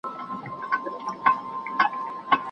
ستاسو په زړه کي به د ډاډ او ارامۍ فضا وي.